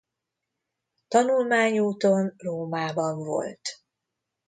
Tanulmányúton Rómában volt.